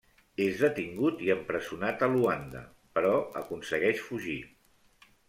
És detingut i empresonat a Luanda, però aconsegueix fugir.